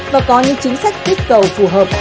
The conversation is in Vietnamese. và có những chính sách kích cầu phù hợp